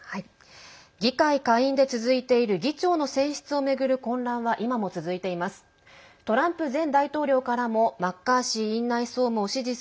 議会下院で続いている議長選出を巡る混乱は今も続いています。